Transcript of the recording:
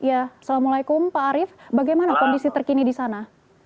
ya assalamualaikum pak arief bagaimana kondisi terkini di sana